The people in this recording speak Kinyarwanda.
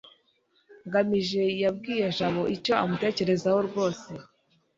ngamije yabwiye jabo icyo amutekerezaho rwose